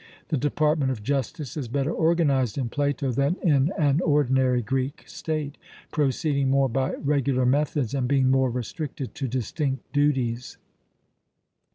The department of justice is better organized in Plato than in an ordinary Greek state, proceeding more by regular methods, and being more restricted to distinct duties.